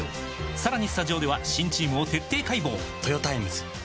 さらにスタジオでは新チームを徹底解剖！